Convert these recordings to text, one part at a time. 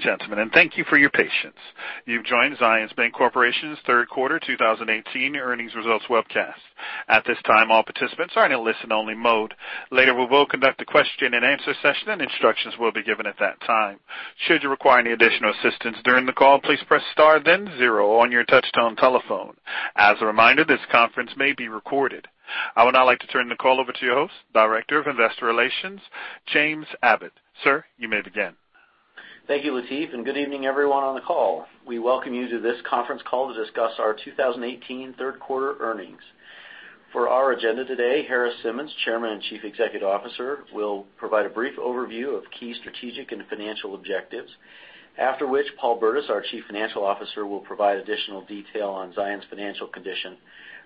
Gentlemen, thank you for your patience. You've joined Zions Bancorporation's third quarter 2018 earnings results webcast. At this time, all participants are in a listen only mode. Later, we will conduct a question and answer session, and instructions will be given at that time. Should you require any additional assistance during the call, please press star then 0 on your touchtone telephone. As a reminder, this conference may be recorded. I would now like to turn the call over to your host, Director of Investor Relations, James Abbott. Sir, you may begin. Thank you, Lateef, good evening everyone on the call. We welcome you to this conference call to discuss our 2018 third quarter earnings. For our agenda today, Harris Simmons, Chairman and Chief Executive Officer, will provide a brief overview of key strategic and financial objectives. After which, Paul Burdiss, our Chief Financial Officer, will provide additional detail on Zions financial condition,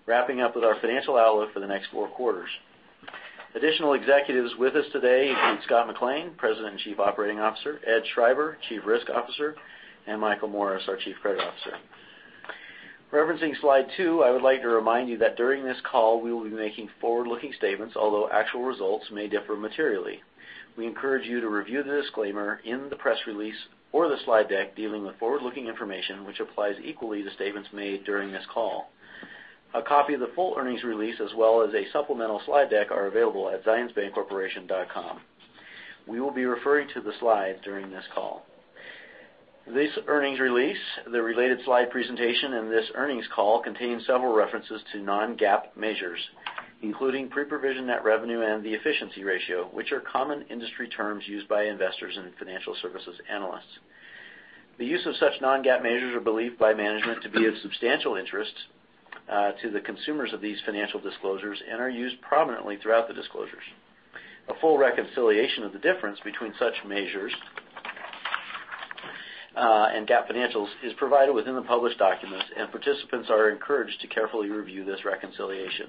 wrapping up with our financial outlook for the next four quarters. Additional executives with us today include Scott McLean, President and Chief Operating Officer, Edward Schreiber, Chief Risk Officer, and Michael Morris, our Chief Credit Officer. Referencing slide two, I would like to remind you that during this call, we will be making forward-looking statements, although actual results may differ materially. We encourage you to review the disclaimer in the press release or the slide deck dealing with forward-looking information, which applies equally to statements made during this call. A copy of the full earnings release, as well as a supplemental slide deck, are available at zionsbancorporation.com. We will be referring to the slides during this call. This earnings release, the related slide presentation, and this earnings call contains several references to non-GAAP measures, including pre-provision net revenue and the efficiency ratio, which are common industry terms used by investors and financial services analysts. The use of such non-GAAP measures are believed by management to be of substantial interest to the consumers of these financial disclosures and are used prominently throughout the disclosures. Participants are encouraged to carefully review this reconciliation.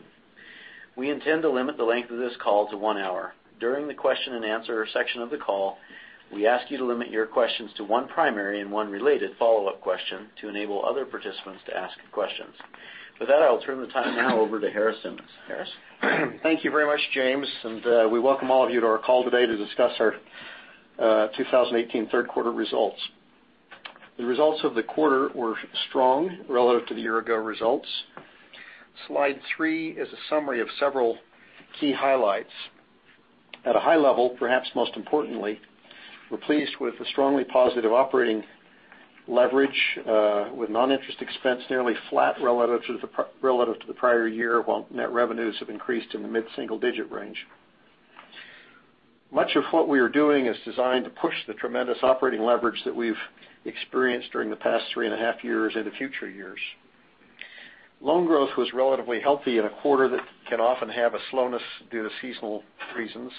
We intend to limit the length of this call to one hour. During the question and answer section of the call, we ask you to limit your questions to one primary and one related follow-up question to enable other participants to ask questions. With that, I will turn the time now over to Harris Simmons. Harris? Thank you very much, James. We welcome all of you to our call today to discuss our 2018 third quarter results. The results of the quarter were strong relative to the year ago results. Slide three is a summary of several key highlights. At a high level, perhaps most importantly, we're pleased with the strongly positive operating leverage, with non-interest expense nearly flat relative to the prior year, while net revenues have increased in the mid-single digit range. Much of what we are doing is designed to push the tremendous operating leverage that we've experienced during the past three and a half years into future years. Loan growth was relatively healthy in a quarter that can often have a slowness due to seasonal reasons.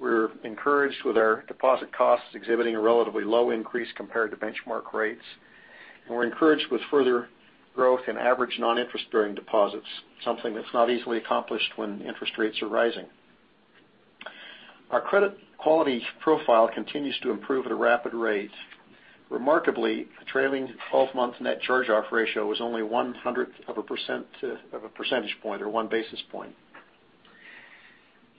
We're encouraged with our deposit costs exhibiting a relatively low increase compared to benchmark rates. We're encouraged with further growth in average non-interest bearing deposits, something that's not easily accomplished when interest rates are rising. Our credit quality profile continues to improve at a rapid rate. Remarkably, the trailing 12-month net charge-off ratio was only 100th of a percentage point, or one basis point.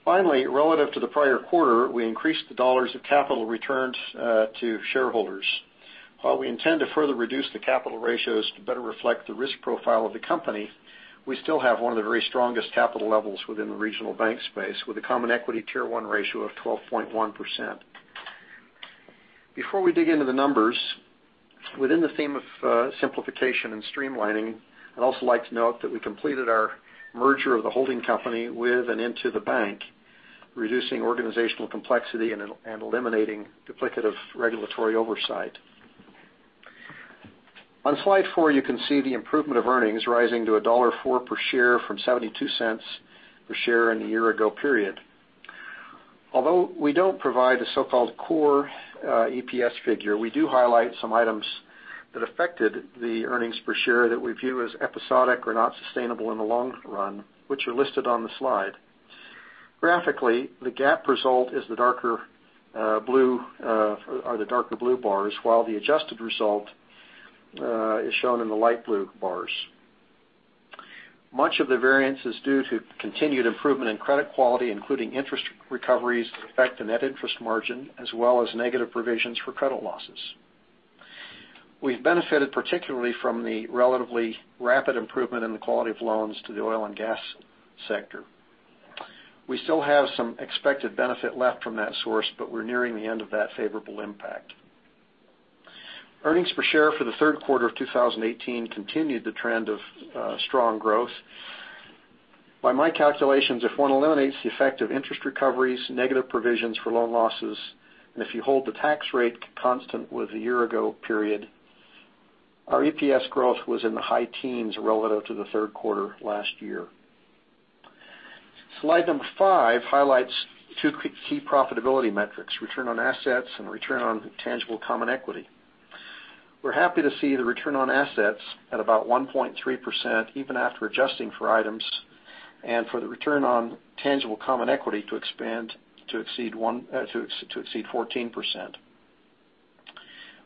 Finally, relative to the prior quarter, we increased the dollars of capital returned to shareholders. While we intend to further reduce the capital ratios to better reflect the risk profile of the company, we still have one of the very strongest capital levels within the regional bank space with a Common Equity Tier 1 ratio of 12.1%. Before we dig into the numbers, within the theme of simplification and streamlining, I'd also like to note that we completed our merger of the holding company with and into the bank, reducing organizational complexity and eliminating duplicative regulatory oversight. On slide four, you can see the improvement of earnings rising to a $1.04 per share from $0.72 per share in the year ago period. Although we don't provide a so-called core EPS figure, we do highlight some items that affected the earnings per share that we view as episodic or not sustainable in the long run, which are listed on the slide. Graphically, the GAAP result are the darker blue bars, while the adjusted result is shown in the light blue bars. Much of the variance is due to continued improvement in credit quality, including interest recoveries that affect the net interest margin, as well as negative provisions for credit losses. We've benefited particularly from the relatively rapid improvement in the quality of loans to the oil and gas sector. We still have some expected benefit left from that source. We're nearing the end of that favorable impact. Earnings per share for the third quarter of 2018 continued the trend of strong growth. By my calculations, if one eliminates the effect of interest recoveries, negative provisions for loan losses, and if you hold the tax rate constant with the year ago period, our EPS growth was in the high teens relative to the third quarter last year. Slide number five highlights two key profitability metrics, return on assets and return on tangible common equity. We're happy to see the return on assets at about 1.3%, even after adjusting for items, and for the return on tangible common equity to exceed 14%.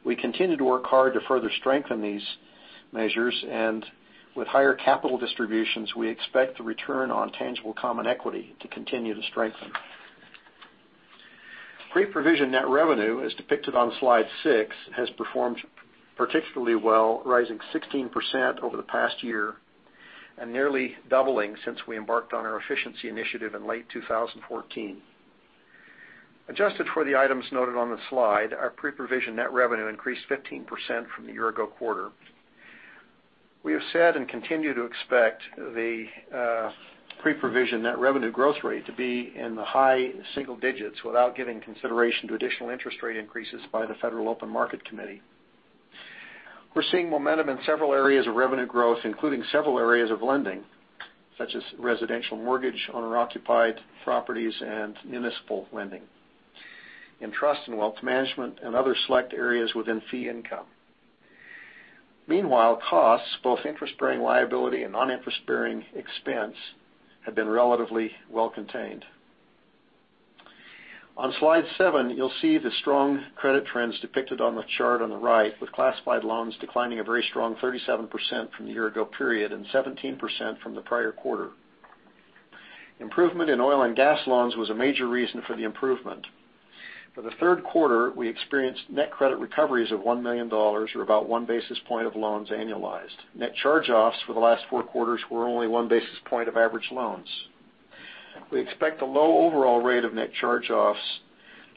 We continue to work hard to further strengthen these Measures and with higher capital distributions, we expect the return on tangible common equity to continue to strengthen. Pre-provision net revenue, as depicted on Slide six, has performed particularly well, rising 16% over the past year and nearly doubling since we embarked on our efficiency initiative in late 2014. Adjusted for the items noted on the slide, our pre-provision net revenue increased 15% from the year ago quarter. We have said and continue to expect the pre-provision net revenue growth rate to be in the high single digits without giving consideration to additional interest rate increases by the Federal Open Market Committee. We're seeing momentum in several areas of revenue growth, including several areas of lending, such as residential mortgage, owner-occupied properties, and municipal lending, in trust and wealth management, and other select areas within fee income. Meanwhile, costs, both interest-bearing liability and non-interest-bearing expense, have been relatively well contained. On Slide seven, you'll see the strong credit trends depicted on the chart on the right with classified loans declining a very strong 37% from the year ago period and 17% from the prior quarter. Improvement in oil and gas loans was a major reason for the improvement. For the third quarter, we experienced net credit recoveries of $1 million, or about one basis point of loans annualized. Net charge-offs for the last four quarters were only one basis point of average loans. We expect a low overall rate of net charge-offs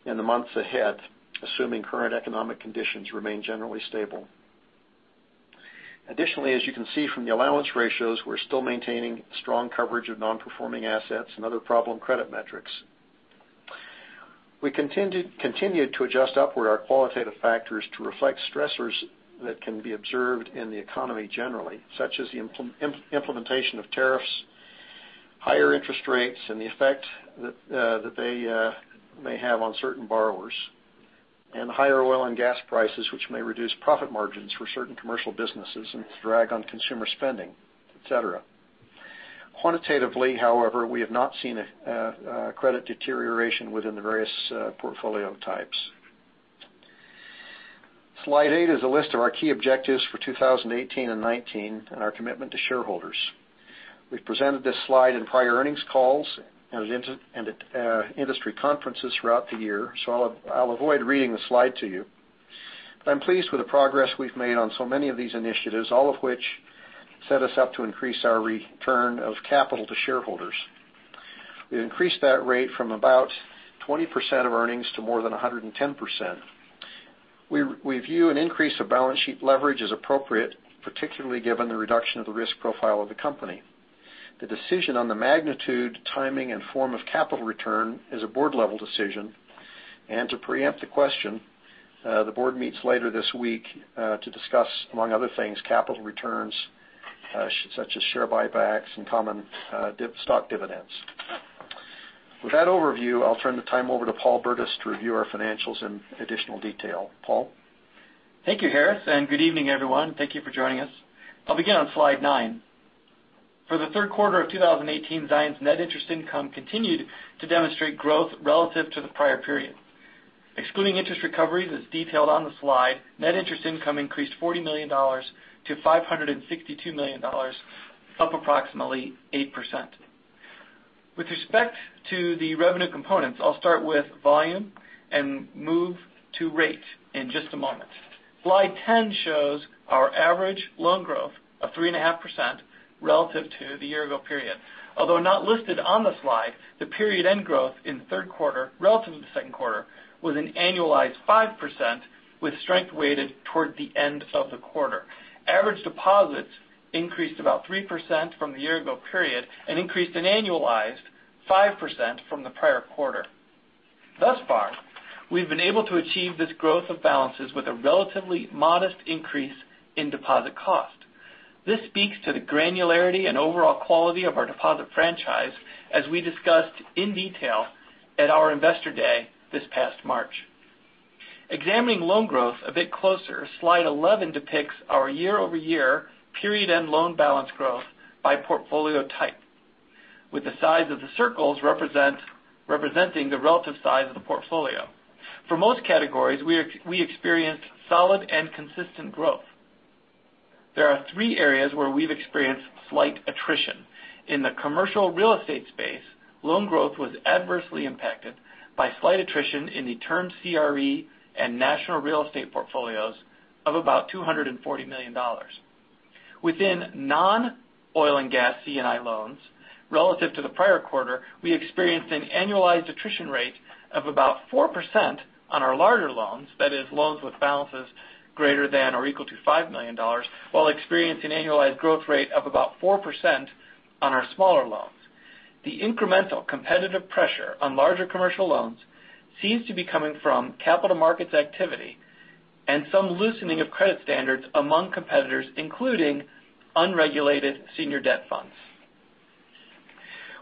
in the months ahead, assuming current economic conditions remain generally stable. Additionally, as you can see from the allowance ratios, we're still maintaining strong coverage of non-performing assets and other problem credit metrics. We continued to adjust upward our qualitative factors to reflect stressors that can be observed in the economy generally, such as the implementation of tariffs, higher interest rates, and the effect that they may have on certain borrowers, and higher oil and gas prices, which may reduce profit margins for certain commercial businesses and drag on consumer spending, et cetera. Quantitatively, however, we have not seen a credit deterioration within the various portfolio types. Slide eight is a list of our key objectives for 2018 and 2019 and our commitment to shareholders. We've presented this slide in prior earnings calls and at industry conferences throughout the year, so I'll avoid reading the slide to you. I'm pleased with the progress we've made on so many of these initiatives, all of which set us up to increase our return of capital to shareholders. We increased that rate from about 20% of earnings to more than 110%. We view an increase of balance sheet leverage as appropriate, particularly given the reduction of the risk profile of the company. The decision on the magnitude, timing, and form of capital return is a board-level decision. To preempt the question, the board meets later this week to discuss, among other things, capital returns such as share buybacks and common stock dividends. With that overview, I'll turn the time over to Paul Burdiss to review our financials in additional detail. Paul? Thank you, Harris, and good evening, everyone. Thank you for joining us. I'll begin on Slide nine. For the third quarter of 2018, Zions' net interest income continued to demonstrate growth relative to the prior period. Excluding interest recoveries as detailed on the slide, net interest income increased $40 million to $562 million, up approximately 8%. With respect to the revenue components, I'll start with volume and move to rate in just a moment. Slide 10 shows our average loan growth of 3.5% relative to the year-ago period. Although not listed on the slide, the period end growth in the third quarter relative to the second quarter was an annualized 5% with strength weighted toward the end of the quarter. Average deposits increased about 3% from the year-ago period and increased an annualized 5% from the prior quarter. Thus far, we've been able to achieve this growth of balances with a relatively modest increase in deposit cost. This speaks to the granularity and overall quality of our deposit franchise, as we discussed in detail at our Investor Day this past March. Examining loan growth a bit closer, Slide 11 depicts our year-over-year period end loan balance growth by portfolio type. With the size of the circles representing the relative size of the portfolio. For most categories, we experienced solid and consistent growth. There are three areas where we've experienced slight attrition. In the commercial real estate space, loan growth was adversely impacted by slight attrition in the term CRE and national real estate portfolios of about $240 million. Within non-oil and gas C&I loans, relative to the prior quarter, we experienced an annualized attrition rate of about 4% on our larger loans. That is, loans with balances greater than or equal to $5 million, while experiencing annualized growth rate of about 4% on our smaller loans. The incremental competitive pressure on larger commercial loans seems to be coming from capital markets activity and some loosening of credit standards among competitors, including unregulated senior debt funds.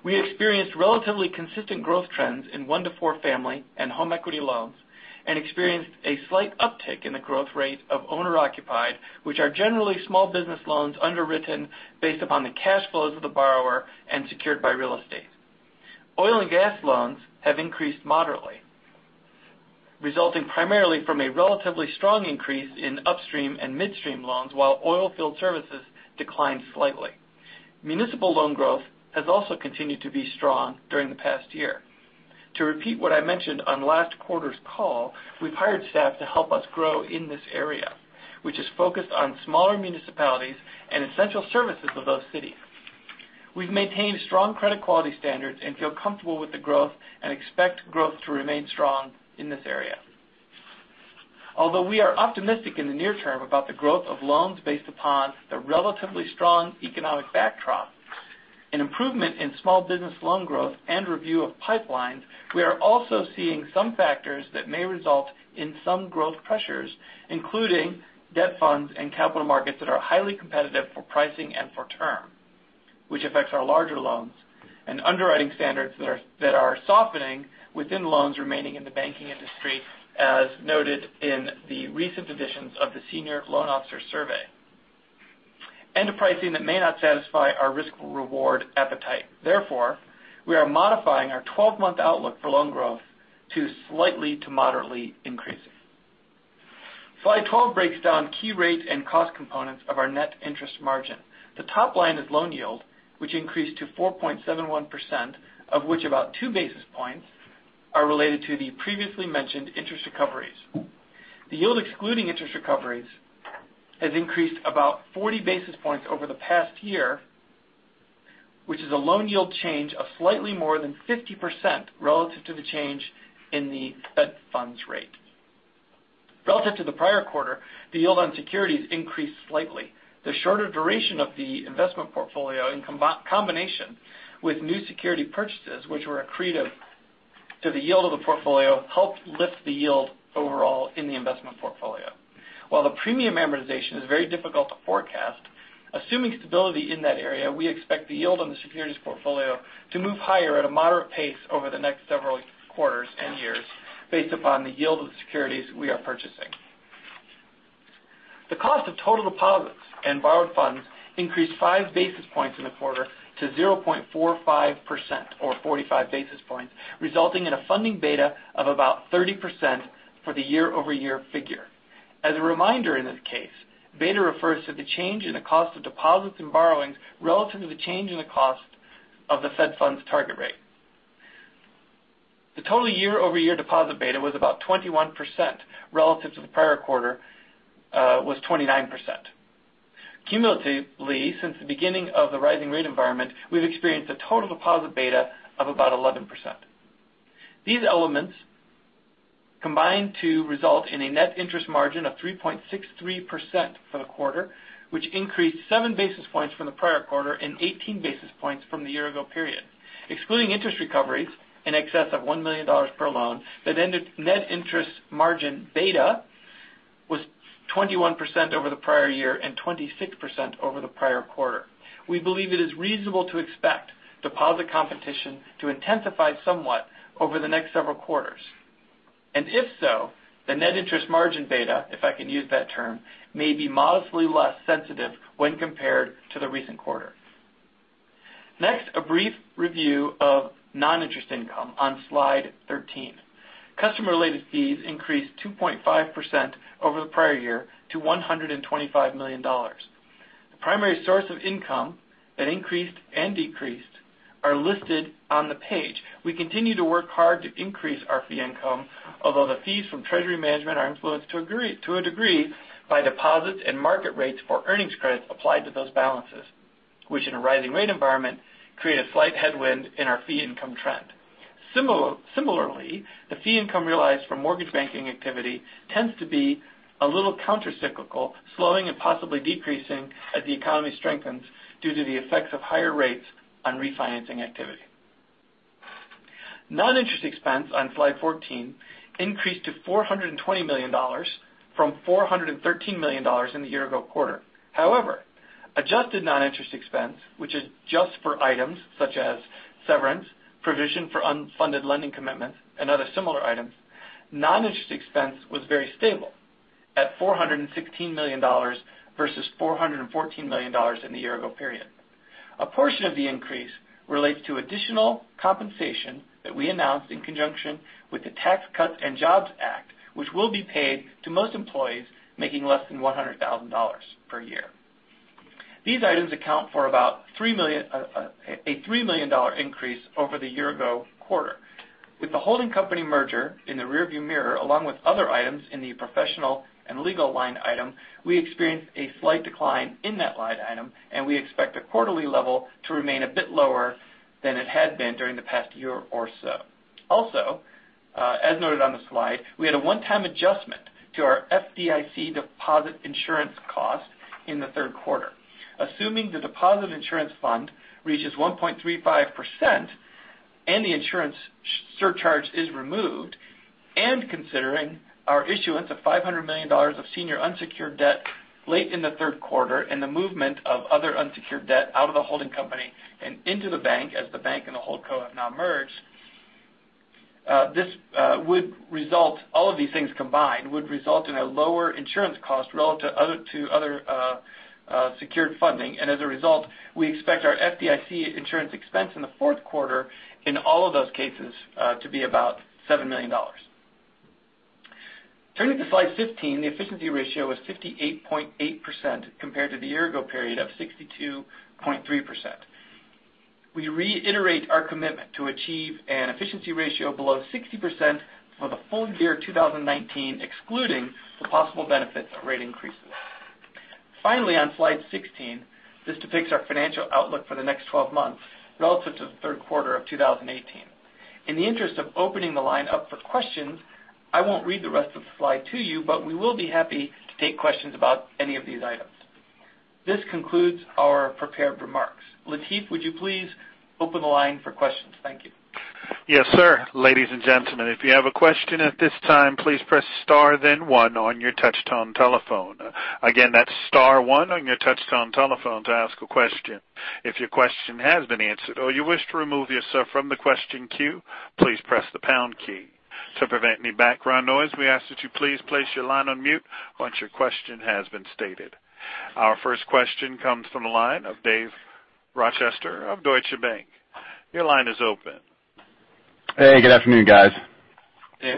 We experienced relatively consistent growth trends in one-to-four family and home equity loans and experienced a slight uptick in the growth rate of owner-occupied, which are generally small business loans underwritten based upon the cash flows of the borrower and secured by real estate. Oil and gas loans have increased moderately. Resulting primarily from a relatively strong increase in upstream and midstream loans while oil field services declined slightly. Municipal loan growth has also continued to be strong during the past year. To repeat what I mentioned on last quarter's call, we've hired staff to help us grow in this area, which is focused on smaller municipalities and essential services of those cities. We've maintained strong credit quality standards and feel comfortable with the growth and expect growth to remain strong in this area. Although we are optimistic in the near term about the growth of loans based upon the relatively strong economic backdrop, an improvement in small business loan growth and review of pipelines, we are also seeing some factors that may result in some growth pressures, including debt funds and capital markets that are highly competitive for pricing and for term, which affects our larger loans and underwriting standards that are softening within loans remaining in the banking industry, as noted in the recent editions of the Senior Loan Officer Survey. A pricing that may not satisfy our risk reward appetite. Therefore, we are modifying our 12-month outlook for loan growth to slightly to moderately increasing. Slide 12 breaks down key rates and cost components of our net interest margin. The top line is loan yield, which increased to 4.71%, of which about two basis points are related to the previously mentioned interest recoveries. The yield excluding interest recoveries has increased about 40 basis points over the past year, which is a loan yield change of slightly more than 50% relative to the change in the Federal funds rate. Relative to the prior quarter, the yield on securities increased slightly. The shorter duration of the investment portfolio in combination with new security purchases, which were accretive to the yield of the portfolio, helped lift the yield overall in the investment portfolio. While the premium amortization is very difficult to forecast, assuming stability in that area, we expect the yield on the securities portfolio to move higher at a moderate pace over the next several quarters and years based upon the yield of the securities we are purchasing. The cost of total deposits and borrowed funds increased five basis points in the quarter to 0.45% or 45 basis points, resulting in a funding beta of about 30% for the year-over-year figure. As a reminder in this case, beta refers to the change in the cost of deposits and borrowings relative to the change in the cost of the Fed funds target rate. The total year-over-year deposit beta was about 21% relative to the prior quarter was 29%. Cumulatively, since the beginning of the rising rate environment, we've experienced a total deposit beta of about 11%. These elements combine to result in a net interest margin of 3.63% for the quarter, which increased seven basis points from the prior quarter and 18 basis points from the year ago period. Excluding interest recoveries in excess of $1 million per loan, the net interest margin beta was 21% over the prior year and 26% over the prior quarter. We believe it is reasonable to expect deposit competition to intensify somewhat over the next several quarters. If so, the net interest margin beta, if I can use that term, may be modestly less sensitive when compared to the recent quarter. Next, a brief review of non-interest income on slide 13. Customer related fees increased 2.5% over the prior year to $125 million. The primary source of income that increased and decreased are listed on the page. We continue to work hard to increase our fee income, although the fees from treasury management are influenced to a degree by deposits and market rates for earnings credits applied to those balances, which in a rising rate environment create a slight headwind in our fee income trend. Similarly, the fee income realized from mortgage banking activity tends to be a little countercyclical, slowing and possibly decreasing as the economy strengthens due to the effects of higher rates on refinancing activity. Non-interest expense on slide 14 increased to $420 million from $413 million in the year ago quarter. However, adjusted non-interest expense, which is just for items such as severance, provision for unfunded lending commitments, and other similar items, non-interest expense was very stable at $416 million versus $414 million in the year ago period. A portion of the increase relates to additional compensation that we announced in conjunction with the Tax Cuts and Jobs Act, which will be paid to most employees making less than $100,000 per year. These items account for about a $3 million increase over the year-ago quarter. With the holding company merger in the rearview mirror, along with other items in the professional and legal line item, we experienced a slight decline in that line item, and we expect the quarterly level to remain a bit lower than it had been during the past year or so. Also, as noted on the slide, we had a one-time adjustment to our FDIC deposit insurance cost in the third quarter. Assuming the deposit insurance fund reaches 1.35% and the insurance surcharge is removed, considering our issuance of $500 million of senior unsecured debt late in the third quarter and the movement of other unsecured debt out of the holding company and into the bank as the bank and the holdco have now merged, all of these things combined would result in a lower insurance cost relative to other secured funding. As a result, we expect our FDIC insurance expense in the fourth quarter in all of those cases to be about $7 million. Turning to Slide 15, the efficiency ratio is 58.8% compared to the year-ago period of 62.3%. We reiterate our commitment to achieve an efficiency ratio below 60% for the full year 2019, excluding the possible benefits of rate increases. Finally, on Slide 16, this depicts our financial outlook for the next 12 months relative to the third quarter of 2018. In the interest of opening the line up for questions, I won't read the rest of the slide to you, but we will be happy to take questions about any of these items. This concludes our prepared remarks. Lateef, would you please open the line for questions? Thank you. Yes, sir. Ladies and gentlemen, if you have a question at this time, please press star then one on your touch-tone telephone. Again, that's star one on your touch-tone telephone to ask a question. If your question has been answered or you wish to remove yourself from the question queue, please press the pound key. To prevent any background noise, we ask that you please place your line on mute once your question has been stated. Our first question comes from the line of Dave Rochester of Deutsche Bank. Your line is open. Hey, good afternoon, guys. Hey.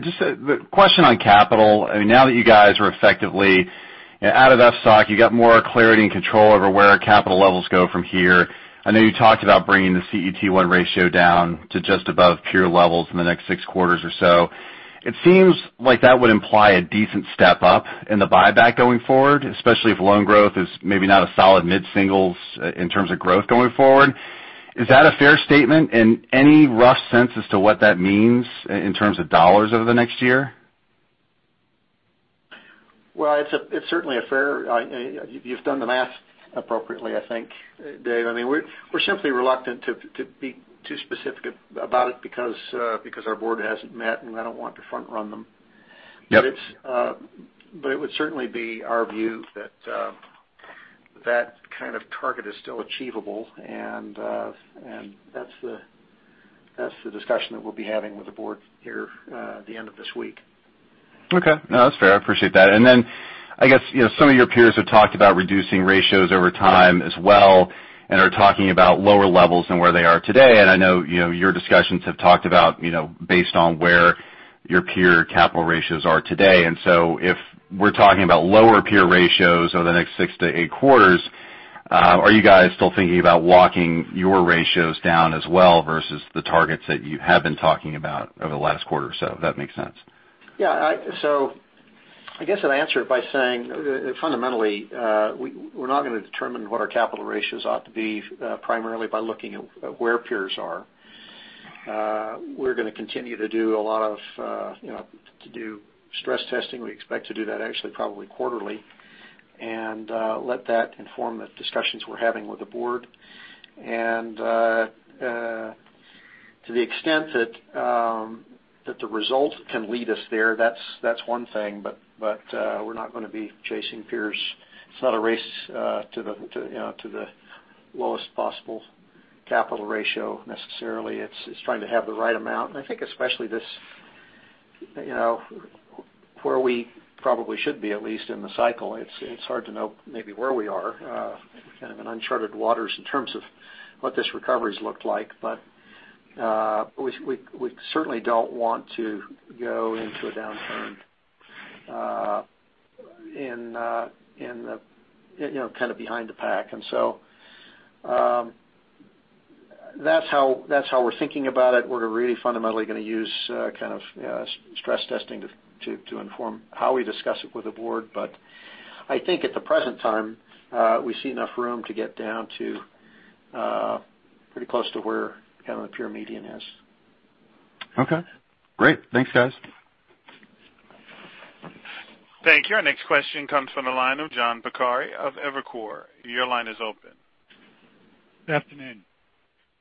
Just a question on capital. Now that you guys are effectively out of FSOC, you got more clarity and control over where capital levels go from here. I know you talked about bringing the CET1 ratio down to just above pure levels in the next six quarters or so. It seems like that would imply a decent step up in the buyback going forward, especially if loan growth is maybe not a solid mid-singles in terms of growth going forward. Is that a fair statement, and any rough sense as to what that means in terms of dollars over the next year? It's certainly fair. You've done the math appropriately, I think, Dave. We're simply reluctant to be too specific about it because our board hasn't met, and I don't want to front run them. Yep. It would certainly be our view that kind of target is still achievable, and that's the discussion that we'll be having with the board here at the end of this week. Okay. No, that's fair. I appreciate that. I guess, some of your peers have talked about reducing ratios over time as well, and are talking about lower levels than where they are today. I know your discussions have talked about based on where your peer capital ratios are today. If we're talking about lower peer ratios over the next 6 to 8 quarters, are you guys still thinking about walking your ratios down as well versus the targets that you have been talking about over the last quarter or so, if that makes sense? Yeah. I guess I'd answer it by saying, fundamentally, we're not going to determine what our capital ratios ought to be primarily by looking at where peers are. We're going to continue to do stress testing. We expect to do that actually probably quarterly and let that inform the discussions we're having with the board. To the extent that the result can lead us there, that's one thing. We're not going to be chasing peers. It's not a race to the lowest possible capital ratio necessarily. It's trying to have the right amount. I think especially where we probably should be, at least in the cycle. It's hard to know maybe where we are. Kind of in uncharted waters in terms of what this recovery's looked like. We certainly don't want to go into a downturn behind the pack. That's how we're thinking about it. We're really fundamentally going to use stress testing to inform how we discuss it with the board. I think at the present time, we see enough room to get down to pretty close to where the peer median is. Okay, great. Thanks, guys. Thank you. Our next question comes from the line of John Porcari of Evercore. Your line is open. Good afternoon.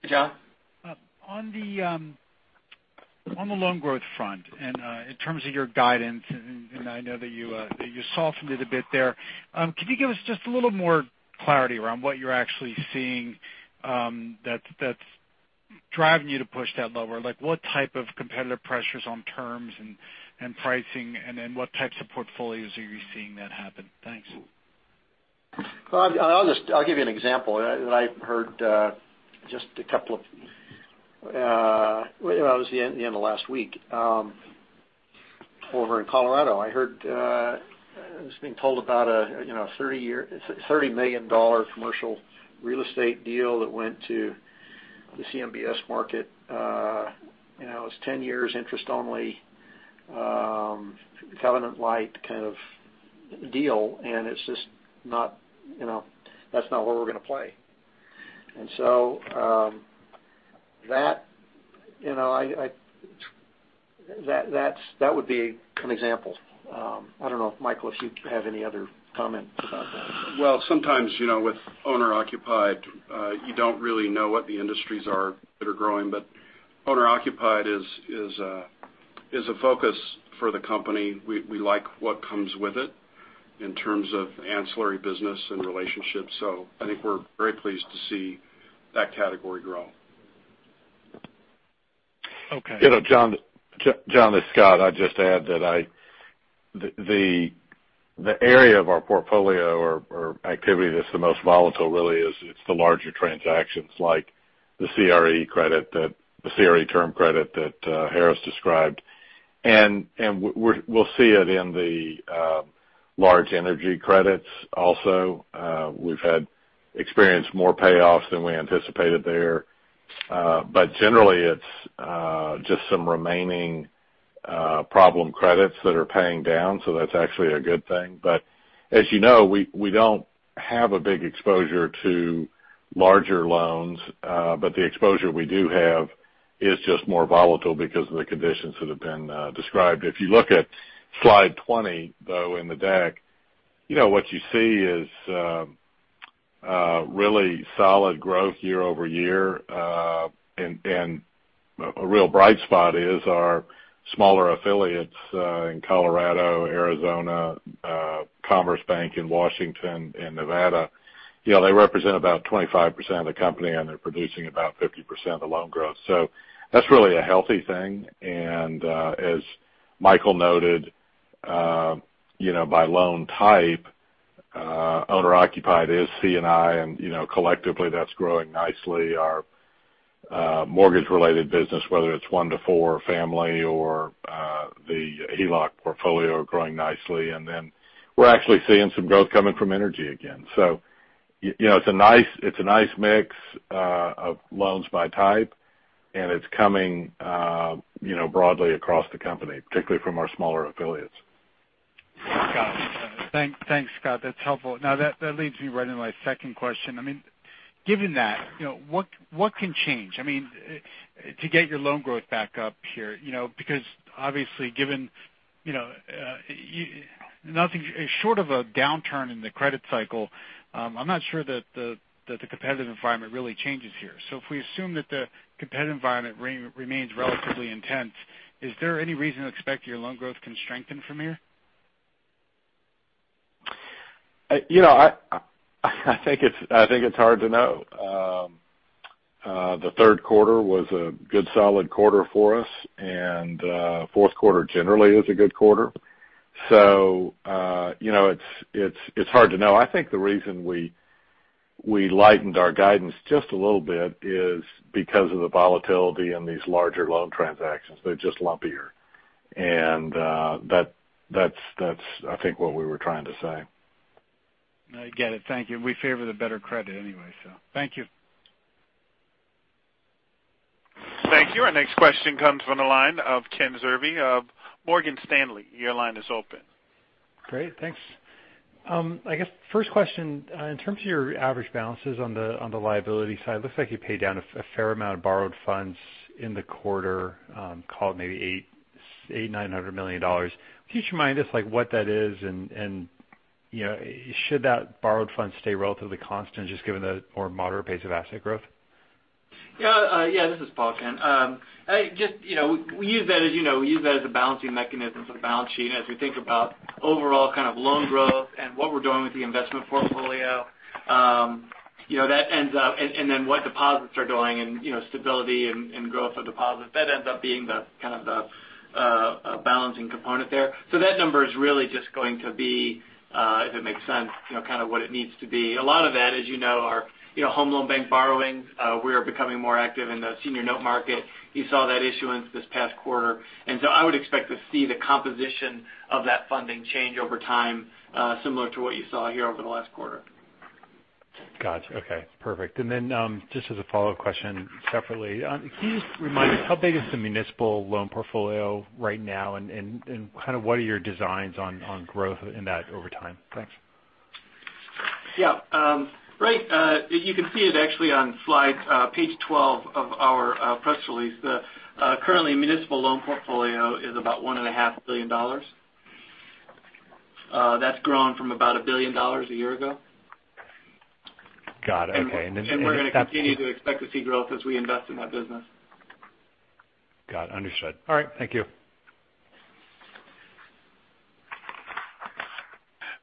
John. On the loan growth front and in terms of your guidance, I know that you softened it a bit there. Can you give us just a little more clarity around what you're actually seeing that's driving you to push that lower? What type of competitive pressures on terms and pricing, what types of portfolios are you seeing that happen? Thanks. I'll give you an example that I heard just at the end of last week. Over in Colorado, I was being told about a $30 million commercial real estate deal that went to the CMBS market. It was 10 years interest only, covenant light kind of deal. That's not where we're going to play. That would be an example. I don't know, Michael, if you have any other comment about that. Sometimes with owner-occupied, you don't really know what the industries are that are growing. Owner-occupied is a focus for the company. We like what comes with it in terms of ancillary business and relationships. I think we're very pleased to see that category grow. Okay. John, this is Scott. I'd just add that the area of our portfolio or activity that's the most volatile really is, it's the larger transactions like the CRE term credit that Harris described. We'll see it in the large energy credits also. We've experienced more payoffs than we anticipated there. Generally, it's just some remaining problem credits that are paying down, so that's actually a good thing. As you know, we don't have a big exposure to larger loans. The exposure we do have is just more volatile because of the conditions that have been described. If you look at slide 20, though, in the deck, what you see is really solid growth year-over-year. A real bright spot is our smaller affiliates, in Colorado, Arizona, Commerce Bank in Washington and Nevada. They represent about 25% of the company, they're producing about 50% of the loan growth. That's really a healthy thing. As Michael noted, by loan type, owner occupied is C&I and collectively that's growing nicely. Our mortgage related business, whether it's one to four family or the HELOC portfolio are growing nicely. We're actually seeing some growth coming from energy again. It's a nice mix of loans by type, and it's coming broadly across the company, particularly from our smaller affiliates. Got it. Thanks, Scott. That's helpful. That leads me right into my second question. Given that, what can change? To get your loan growth back up here, because obviously given short of a downturn in the credit cycle, I'm not sure that the competitive environment really changes here. If we assume that the competitive environment remains relatively intense, is there any reason to expect your loan growth can strengthen from here? I think it's hard to know. The third quarter was a good solid quarter for us, and fourth quarter generally is a good quarter, so it's hard to know. I think the reason we lightened our guidance just a little bit is because of the volatility in these larger loan transactions. They're just lumpier. That's I think what we were trying to say. No, I get it. Thank you. We favor the better credit anyway, so thank you. Thank you. Our next question comes from the line of Ken Zerbe of Morgan Stanley. Your line is open. Great. Thanks. I guess first question, in terms of your average balances on the liability side, looks like you paid down a fair amount of borrowed funds in the quarter, call it maybe $800 million, $900 million. Could you just remind us, like what that is and should that borrowed funds stay relatively constant just given the more moderate pace of asset growth? Yeah. This is Paul, Ken. We use that as a balancing mechanism for the balance sheet as we think about overall kind of loan growth and what we're doing with the investment portfolio. What deposits are doing and stability and growth of deposits. That ends up being kind of the balancing component there. That number is really just going to be, if it makes sense, kind of what it needs to be. A lot of that is our home loan bank borrowings. We are becoming more active in the senior note market. You saw that issuance this past quarter. I would expect to see the composition of that funding change over time, similar to what you saw here over the last quarter. Got you. Okay. Perfect. Just as a follow-up question separately, can you just remind us how big is the municipal loan portfolio right now and kind of what are your designs on growth in that over time? Thanks. Yeah. You can see it actually on page 12 of our press release. Currently, municipal loan portfolio is about $1.5 billion. That's grown from about $1 billion a year ago. Got it, okay. We're going to continue to expect to see growth as we invest in that business. Got it. Understood. All right. Thank you.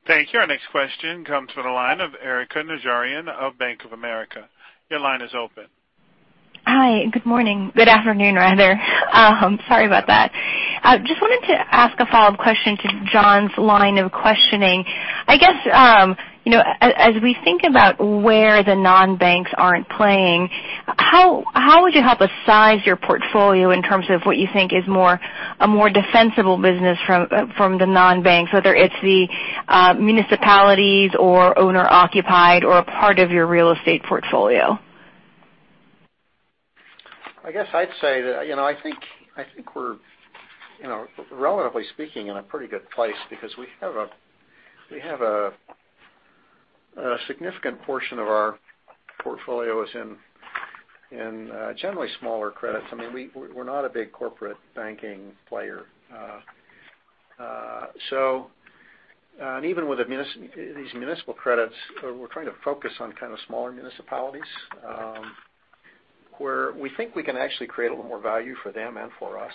Thank you. Our next question comes from the line of Erika Najarian of Bank of America. Your line is open. Hi. Good morning. Good afternoon, rather. Sorry about that. Just wanted to ask a follow-up question to John's line of questioning. I guess, as we think about where the non-banks aren't playing, how would you help us size your portfolio in terms of what you think is a more defensible business from the non-banks, whether it's the municipalities or owner occupied or a part of your real estate portfolio? I guess I'd say that, I think we're relatively speaking in a pretty good place because we have a significant portion of our portfolio is in generally smaller credits. We're not a big corporate banking player. Even with these municipal credits, we're trying to focus on kind of smaller municipalities, where we think we can actually create a little more value for them and for us.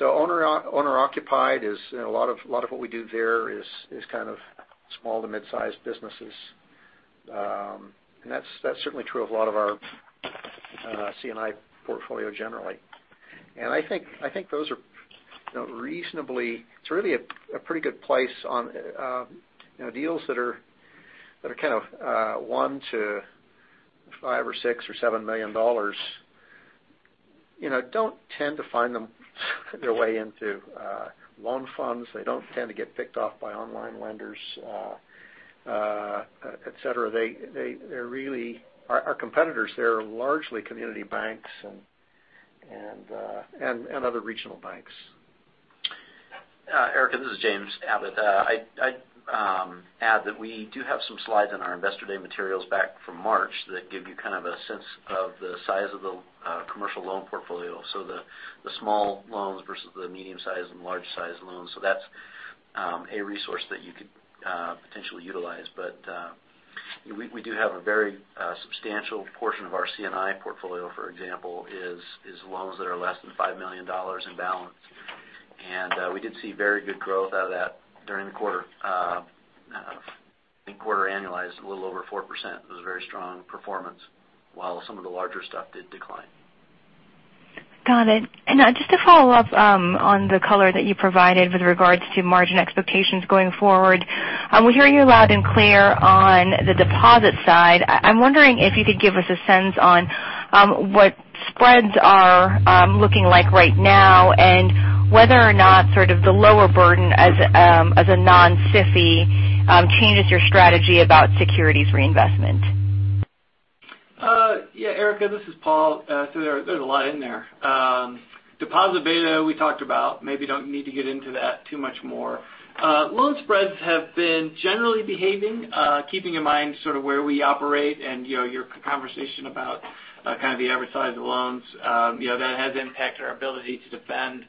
Owner occupied, a lot of what we do there is kind of small to mid-size businesses That's certainly true of a lot of our C&I portfolio generally. I think those are really a pretty good place on deals that are kind of $1 to $5 or $6 or $7 million, don't tend to find their way into loan funds. They don't tend to get picked off by online lenders, et cetera. Our competitors there are largely community banks and other regional banks. Erika, this is James Abbott. I'd add that we do have some slides in our Investor Day materials back from March that give you kind of a sense of the size of the commercial loan portfolio, so the small loans versus the medium size and large size loans. That's a resource that you could potentially utilize. We do have a very substantial portion of our C&I portfolio, for example, is loans that are less than $5 million in balance. We did see very good growth out of that during the quarter. I think quarter annualized a little over 4% was a very strong performance while some of the larger stuff did decline. Got it. Just to follow up on the color that you provided with regards to margin expectations going forward, we're hearing you loud and clear on the deposit side. I'm wondering if you could give us a sense on what spreads are looking like right now, and whether or not sort of the lower burden as a non-SIFI changes your strategy about securities reinvestment. Yeah, Erika, this is Paul. There's a lot in there. Deposit beta we talked about, maybe don't need to get into that too much more. Loan spreads have been generally behaving, keeping in mind sort of where we operate and your conversation about kind of the average size of loans. That has impacted our ability to defend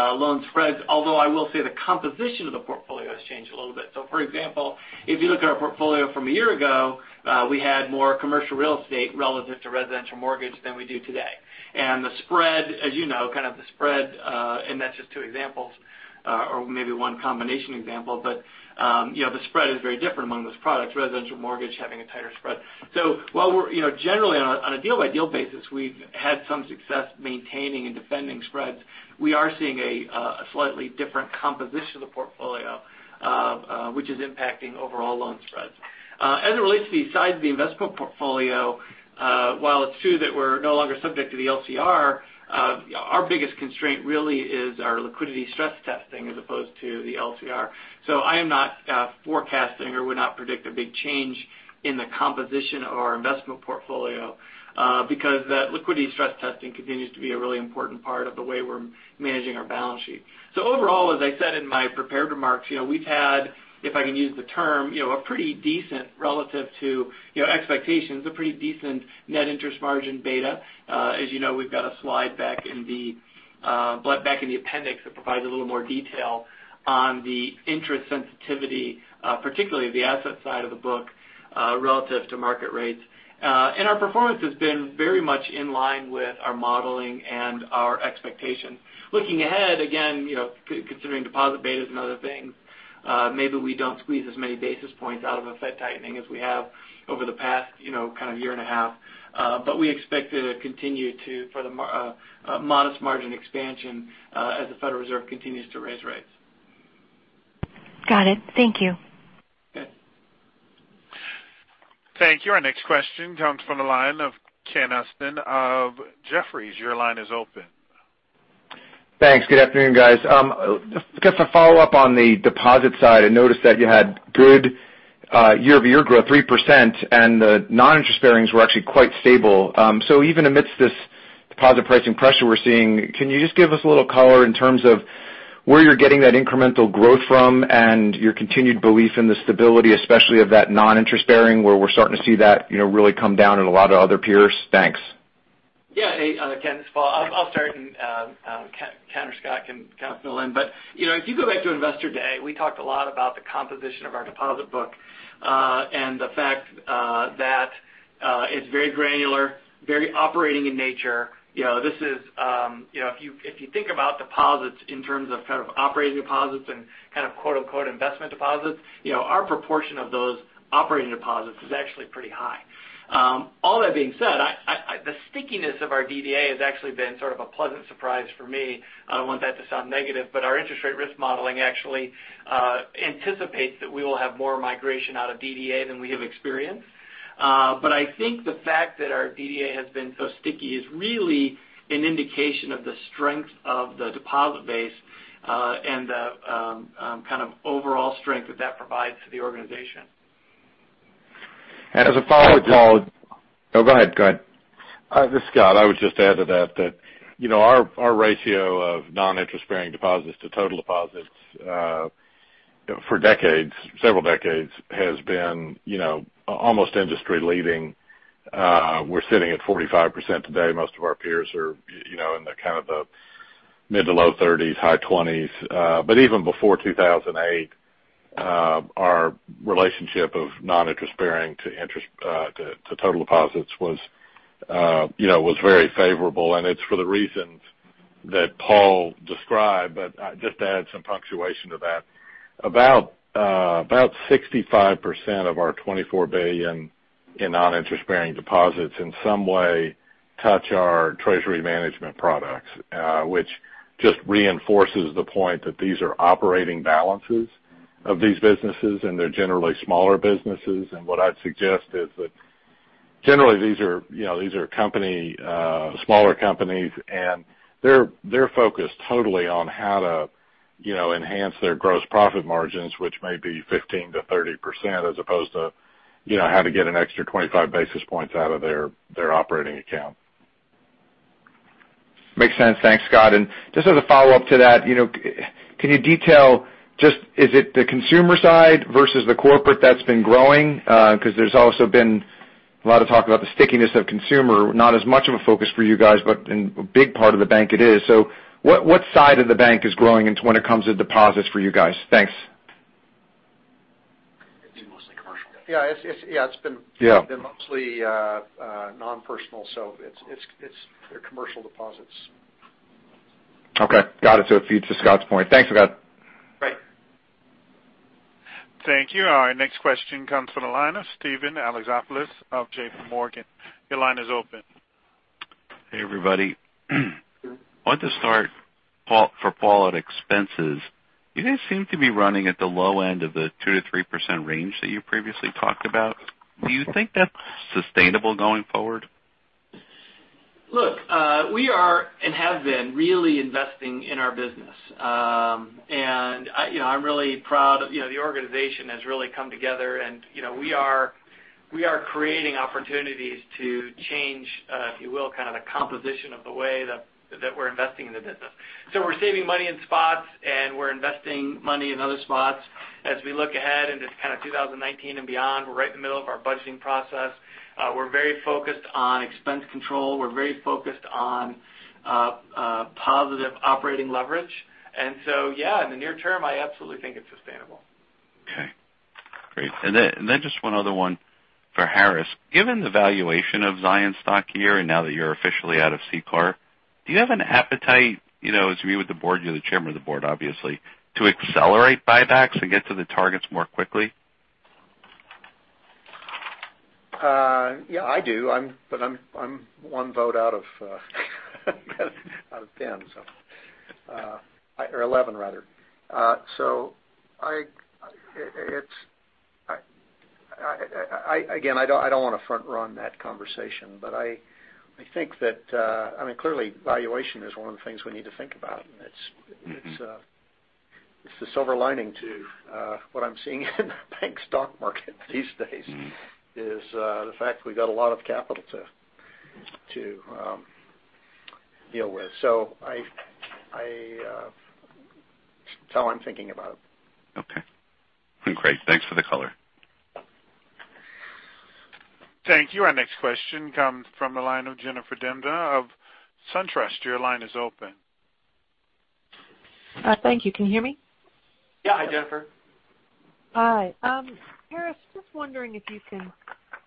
loan spreads, although I will say the composition of the portfolio has changed a little bit. For example, if you look at our portfolio from a year ago, we had more commercial real estate relative to residential mortgage than we do today. The spread, as you know, and that's just two examples, or maybe one combination example, but the spread is very different among those products, residential mortgage having a tighter spread. While we're generally on a deal-by-deal basis, we've had some success maintaining and defending spreads. We are seeing a slightly different composition of the portfolio, which is impacting overall loan spreads. As it relates to the size of the investment portfolio, while it's true that we're no longer subject to the LCR, our biggest constraint really is our liquidity stress testing as opposed to the LCR. I am not forecasting or would not predict a big change in the composition of our investment portfolio, because that liquidity stress testing continues to be a really important part of the way we're managing our balance sheet. Overall, as I said in my prepared remarks, we've had, if I can use the term, a pretty decent relative to expectations, a pretty decent net interest margin beta. As you know, we've got a slide back in the appendix that provides a little more detail on the interest sensitivity, particularly the asset side of the book, relative to market rates. Our performance has been very much in line with our modeling and our expectations. Looking ahead, again, considering deposit betas and other things, maybe we don't squeeze as many basis points out of a Fed tightening as we have over the past kind of year and a half. We expect it to continue to for the modest margin expansion as the Federal Reserve continues to raise rates. Got it. Thank you. Okay. Thank you. Our next question comes from the line of Ken Usdin of Jefferies. Your line is open. Thanks. Good afternoon, guys. Just to follow up on the deposit side, I noticed that you had good year-over-year growth, 3%, and the non-interest bearings were actually quite stable. Even amidst this deposit pricing pressure we're seeing, can you just give us a little color in terms of where you're getting that incremental growth from and your continued belief in the stability, especially of that non-interest bearing, where we're starting to see that really come down in a lot of other peers? Thanks. Yeah. Hey, Ken, this is Paul. I'll start and Ken or Scott can kind of fill in. If you go back to Investor Day, we talked a lot about the composition of our deposit book, and the fact that it's very granular, very operating in nature. If you think about deposits in terms of kind of operating deposits and kind of "investment deposits," our proportion of those operating deposits is actually pretty high. All that being said, the stickiness of our DDA has actually been sort of a pleasant surprise for me. I don't want that to sound negative, but our interest rate risk modeling actually anticipates that we will have more migration out of DDA than we have experienced. I think the fact that our DDA has been so sticky is really an indication of the strength of the deposit base, and the kind of overall strength that that provides to the organization. As a follow-up, Paul. Oh, go ahead. This is Scott. I would just add to that our ratio of non-interest-bearing deposits to total deposits, for decades, several decades, has been almost industry leading. We're sitting at 45% today. Most of our peers are in the kind of the mid to low 30s, high 20s. Even before 2008, our relationship of non-interest-bearing to total deposits was very favorable, and it's for the reasons. That Paul described, but just to add some punctuation to that. About 65% of our $24 billion in non-interest-bearing deposits in some way touch our Treasury management products, which just reinforces the point that these are operating balances of these businesses, and they're generally smaller businesses. What I'd suggest is that generally these are smaller companies, and they're focused totally on how to enhance their gross profit margins, which may be 15%-30%, as opposed to how to get an extra 25 basis points out of their operating account. Makes sense. Thanks, Scott. Just as a follow-up to that, can you detail just is it the consumer side versus the corporate that's been growing? Because there's also been a lot of talk about the stickiness of consumer, not as much of a focus for you guys, but a big part of the bank it is. What side of the bank is growing when it comes to deposits for you guys? Thanks. It'd be mostly commercial. Yeah, it's been. Yeah mostly non-personal. They're commercial deposits. Okay. Got it. It feeds to Scott's point. Thanks, Scott. Right. Thank you. Our next question comes from the line of Steven Alexopoulos of JPMorgan. Your line is open. Hey, everybody. Wanted to start, Paul, for Paul at expenses. You guys seem to be running at the low end of the 2%-3% range that you previously talked about. Do you think that's sustainable going forward? Look, we are and have been really investing in our business. I'm really proud. The organization has really come together and we are creating opportunities to change, if you will, kind of the composition of the way that we're investing in the business. We're saving money in spots, and we're investing money in other spots. As we look ahead into kind of 2019 and beyond, we're right in the middle of our budgeting process. We're very focused on expense control. We're very focused on positive operating leverage. So, yeah, in the near term, I absolutely think it's sustainable. Okay. Great. Then just one other one for Harris. Given the valuation of Zions' stock here and now that you're officially out of CCAR, do you have an appetite, as you meet with the Board, you're the Chairman of the Board, obviously, to accelerate buybacks and get to the targets more quickly? I do. I am one vote out of 10, or 11, rather. Again, I don't want to front-run that conversation. I think that, clearly valuation is one of the things we need to think about, and it is the silver lining to what I am seeing in the bank stock market these days. Is the fact we have got a lot of capital to deal with. That is how I am thinking about it. Okay. Great. Thanks for the color. Thank you. Our next question comes from the line of Jennifer Demba of SunTrust. Your line is open. Thank you. Can you hear me? Yeah. Hi, Jennifer. Hi. Harris, just wondering if you can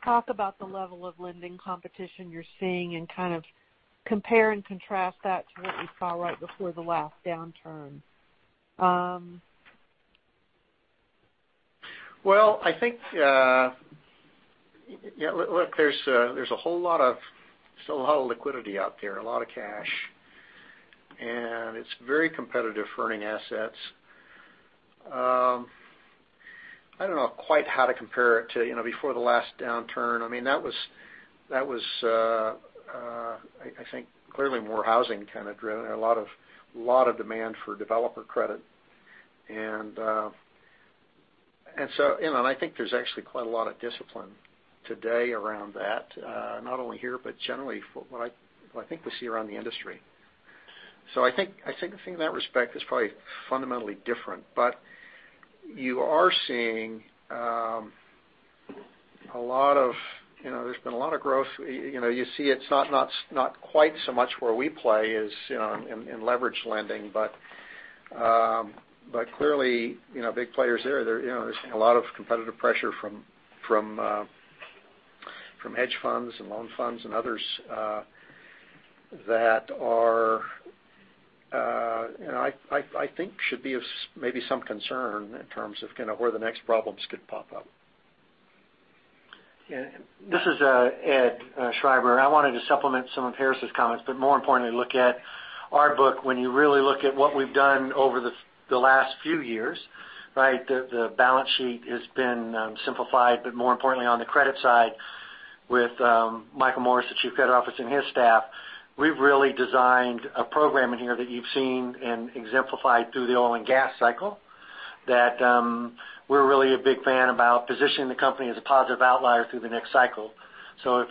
talk about the level of lending competition you're seeing and kind of compare and contrast that to what you saw right before the last downturn. I think there's a whole lot of liquidity out there, a lot of cash. It's very competitive for earning assets. I don't know quite how to compare it to before the last downturn. That was, I think, clearly more housing kind of driven. A lot of demand for developer credit. I think there's actually quite a lot of discipline today around that, not only here, but generally from what I think we see around the industry. I think the thing in that respect is probably fundamentally different. You are seeing there's been a lot of growth. You see it's not quite so much where we play in leverage lending, but clearly, big players there. They're seeing a lot of competitive pressure from hedge funds and loan funds and others that I think should be of maybe some concern in terms of where the next problems could pop up. This is Ed Schreiber. I wanted to supplement some of Harris' comments. More importantly, look at our book. When you really look at what we've done over the last few years, the balance sheet has been simplified. More importantly on the credit side with Michael Morris, the Chief Credit Officer, and his staff, we've really designed a program in here that you've seen and exemplified through the oil and gas cycle that we're really a big fan about positioning the company as a positive outlier through the next cycle. If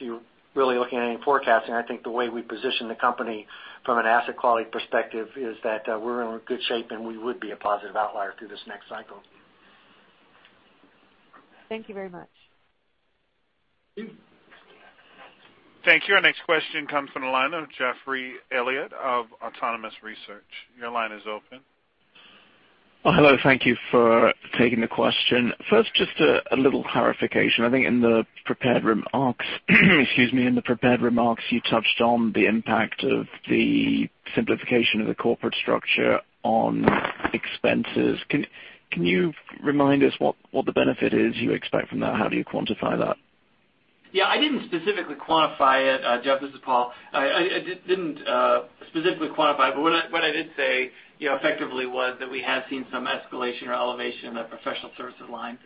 you're really looking at any forecasting, I think the way we position the company from an asset quality perspective is that we're in good shape, and we would be a positive outlier through this next cycle. Thank you very much. Thank you. Our next question comes from the line of Jeffrey Elliot of Autonomous Research. Your line is open. Hello, thank you for taking the question. First, just a little clarification. I think in the prepared remarks you touched on the impact of the simplification of the corporate structure on expenses. Can you remind us what the benefit is you expect from that? How do you quantify that? Yeah, I didn't specifically quantify it. Jeff, this is Paul. I didn't specifically quantify it, but what I did say effectively was that we have seen some escalation or elevation in that professional services line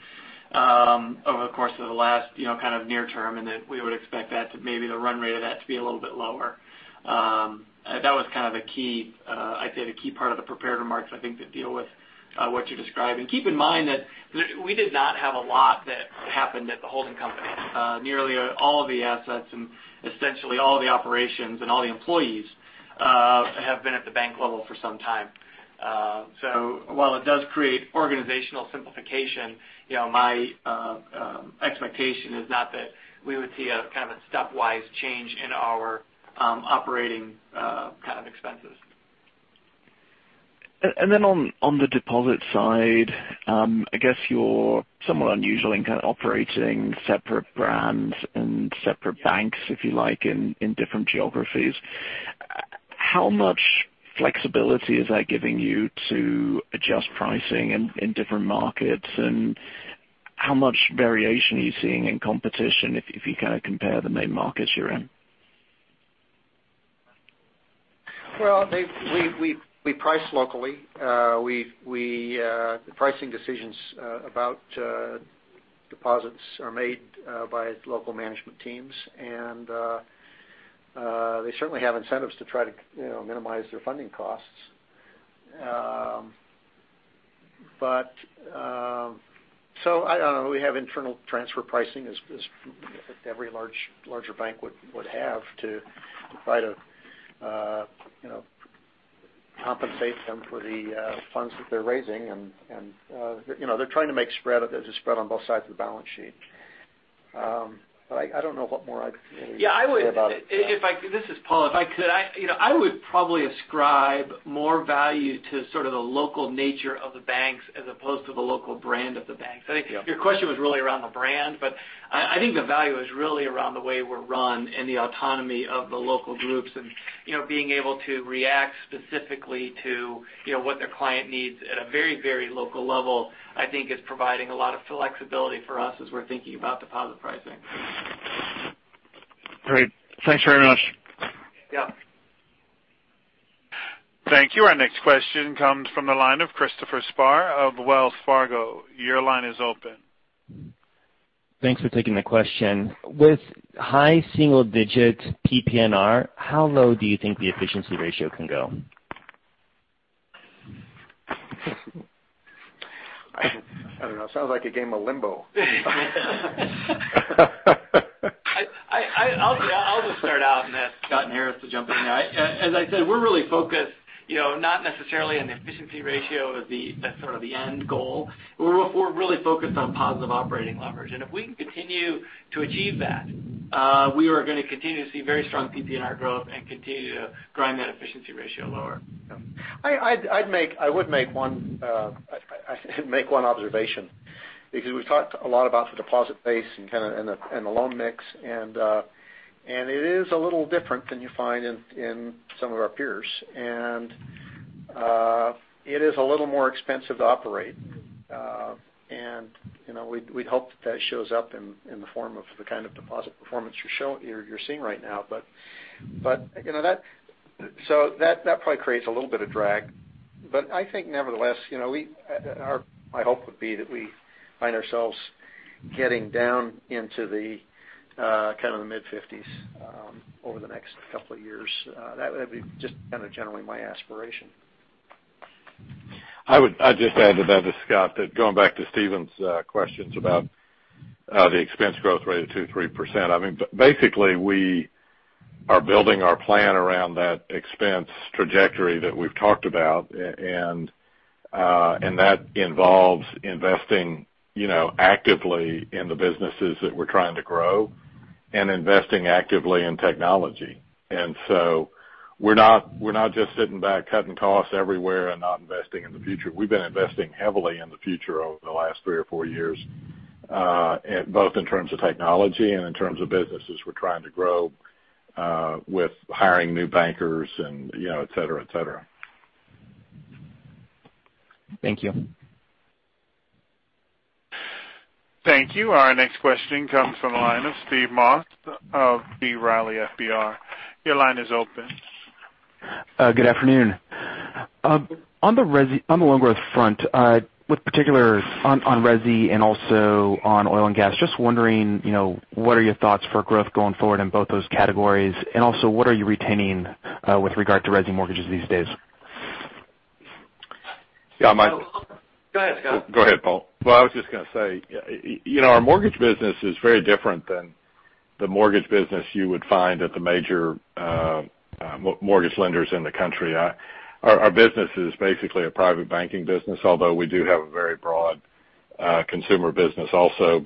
over the course of the last kind of near term, and that we would expect maybe the run rate of that to be a little bit lower. That was, I'd say, the key part of the prepared remarks, I think, that deal with what you're describing. Keep in mind that we did not have a lot that happened at the holding company. Nearly all of the assets and essentially all of the operations and all the employees have been at the bank level for some time. While it does create organizational simplification, my expectation is not that we would see a kind of stepwise change in our operating kind of expenses. Then on the deposit side, I guess you're somewhat unusual in kind of operating separate brands and separate banks, if you like, in different geographies. How much flexibility is that giving you to adjust pricing in different markets, and how much variation are you seeing in competition if you kind of compare the main markets you're in? Well, we price locally. The pricing decisions about deposits are made by local management teams, and they certainly have incentives to try to minimize their funding costs. We have internal transfer pricing as every larger bank would have to try to compensate them for the funds that they're raising. They're trying to make spread. There's a spread on both sides of the balance sheet. I don't know what more I'd say about it. This is Paul. If I could, I would probably ascribe more value to sort of the local nature of the banks as opposed to the local brand of the banks. Yeah. I think your question was really around the brand. I think the value is really around the way we're run and the autonomy of the local groups and being able to react specifically to what their client needs at a very local level, I think is providing a lot of flexibility for us as we're thinking about deposit pricing. Great. Thanks very much. Yeah. Thank you. Our next question comes from the line of Christopher Spahr of Wells Fargo. Your line is open. Thanks for taking the question. With high single-digit PPNR, how low do you think the efficiency ratio can go? I don't know. It sounds like a game of limbo. I'll just start out and ask Scott and Harris to jump in here. As I said, we're really focused, not necessarily on the efficiency ratio as sort of the end goal. We're really focused on positive operating leverage. If we can continue to achieve that, we are going to continue to see very strong PPNR growth and continue to grind that efficiency ratio lower. I would make one observation, because we've talked a lot about the deposit base and the loan mix, and it is a little different than you find in some of our peers. It is a little more expensive to operate. We'd hope that shows up in the form of the kind of deposit performance you're seeing right now. That probably creates a little bit of drag. I think nevertheless, my hope would be that we find ourselves getting down into the mid-50s over the next couple of years. That would be just kind of generally my aspiration. I'd just add to that, as Scott did, going back to Steven's questions about the expense growth rate of 2%, 3%. Basically, we are building our plan around that expense trajectory that we've talked about. That involves investing actively in the businesses that we're trying to grow and investing actively in technology. We're not just sitting back cutting costs everywhere and not investing in the future. We've been investing heavily in the future over the last three or four years, both in terms of technology and in terms of businesses we're trying to grow with hiring new bankers et cetera. Thank you. Thank you. Our next question comes from the line of Steve Moss of B. Riley FBR. Your line is open. Good afternoon. On the loan growth front, with particulars on resi. Also on oil and gas, just wondering what are your thoughts for growth going forward in both those categories? Also, what are you retaining with regard to resi mortgages these days? Yeah. Go ahead, Scott. Go ahead, Paul. Well, I was just going to say, our mortgage business is very different than the mortgage business you would find at the major mortgage lenders in the country. Our business is basically a private banking business, although we do have a very broad consumer business also.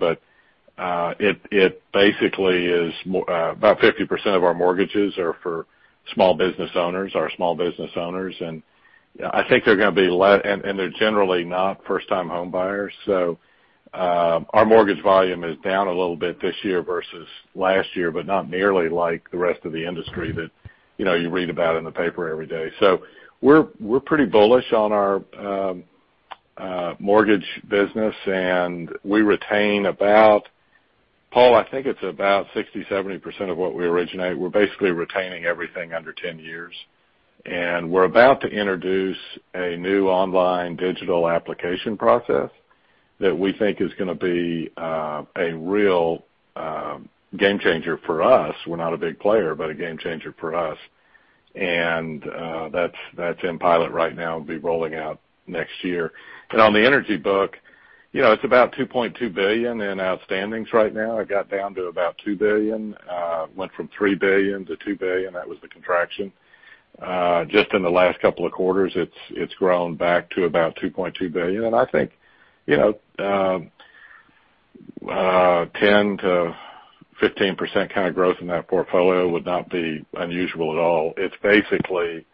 It basically is about 50% of our mortgages are for small business owners. I think they're generally not first-time home buyers. Our mortgage volume is down a little bit this year versus last year, but not nearly like the rest of the industry that you read about in the paper every day. We're pretty bullish on our mortgage business, and we retain about, Paul, I think it's about 60, 70% of what we originate. We're basically retaining everything under 10 years. We're about to introduce a new online digital application process that we think is going to be a real game changer for us. We're not a big player, but a game changer for us. That's in pilot right now, and be rolling out next year. On the energy book, it's about $2.2 billion in outstandings right now. It got down to about $2 billion. Went from $3 billion to $2 billion. That was the contraction. Just in the last couple of quarters, it's grown back to about $2.2 billion. I think 10%-15% kind of growth in that portfolio would not be unusual at all. It's basically